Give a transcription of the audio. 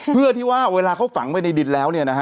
เพื่อที่ว่าเวลาเขาฝังไปในดินแล้วเนี่ยนะฮะ